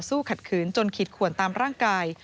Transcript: ขัดขืนจนขีดขวนตามร่างกาย